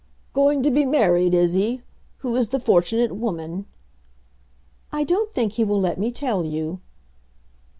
"Going to be married, is he? Who is the fortunate woman?" "I don't think he will let me tell you."